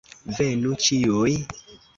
Venu ĉiuj!